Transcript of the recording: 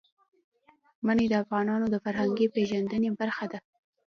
منی د افغانانو د فرهنګي پیژندنې برخه ده.